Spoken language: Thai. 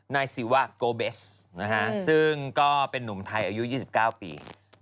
นายศิวะโกเบสซึ่งก็เป็นนุ่มไทยอายุ๒๙ปี